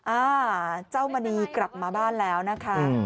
อ่าเจ้ามณีกลับมาบ้านแล้วนะคะ